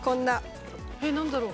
えっ何だろう？